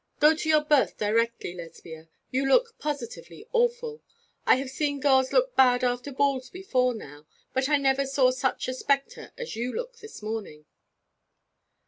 Go to your berth directly, Lesbia; you look positively awful. I have seen girls look bad after balls before now, but I never saw such a spectre as you look this morning.'